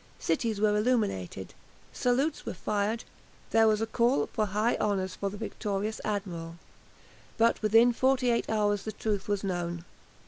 Cities were illuminated, salutes were fired, there was a call for high honours for the victorious admiral. But within forty eight hours the truth was known.